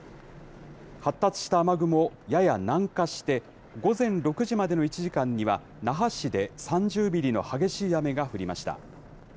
発達した雨雲、やや南下して、午前６時までの１時間には、那覇市で３０ミリの激しい雨が降りました。